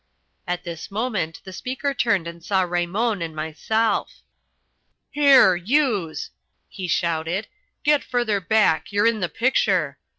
At this moment the speaker turned and saw Raymon and myself. "Here, youse," he shouted, "get further back, you're in the picture.